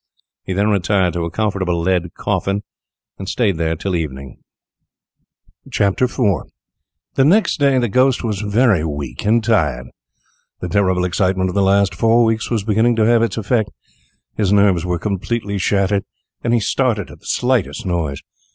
He then retired to a comfortable lead coffin, and stayed there till evening. IV [Illustration: "HE MET WITH A SEVERE FALL"] The next day the ghost was very weak and tired. The terrible excitement of the last four weeks was beginning to have its effect. His nerves were completely shattered, and he started at the slightest noise.